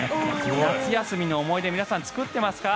夏休みの思い出皆さん、作ってますか？